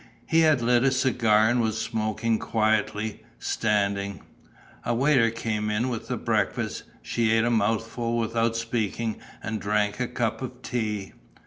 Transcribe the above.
He had lit a cigar and was smoking quietly, standing. A waiter came in with the breakfast. She ate a mouthful without speaking and drank a cup of tea.